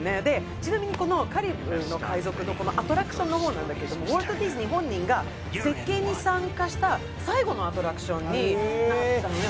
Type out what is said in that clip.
ちなみにこのカリブの海賊のアトラクションの方なんだけどウォルト・ディズニー本人が設計に参加した最後のアトラクションだったのね。